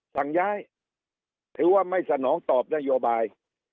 สั่งย้ายถือว่าไม่สนองตอบนโยบาย